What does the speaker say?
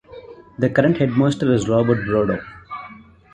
The current Headmaster is Robert Broudo.